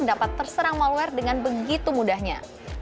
dapat terserang malware dengan begitu mudahnya